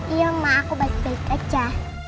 iya mak aku baik baik aja